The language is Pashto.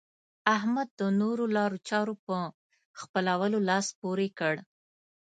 احمد د نورو لارو چارو په خپلولو لاس پورې کړ.